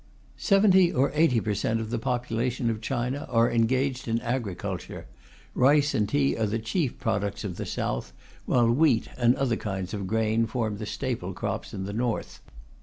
Seventy or eighty per cent. of the population of China are engaged in agriculture. Rice and tea are the chief products of the south, while wheat and other kinds of grain form the staple crops in the north.